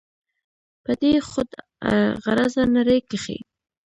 په دې خود غرضه نړۍ کښې